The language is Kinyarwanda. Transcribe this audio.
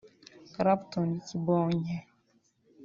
Clapton (Kibonge)